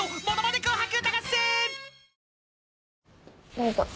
どうぞ。